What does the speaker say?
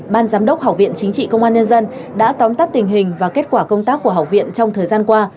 ban giám đốc học viện chính trị công an nhân dân đã tóm tắt tình hình và kết quả công tác của học viện trong thời gian qua